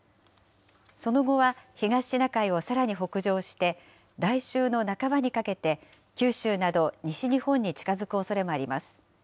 その後は東シナ海をさらに北上して、来週の半ばにかけて、九州など、西日本に近づくおそれもあります。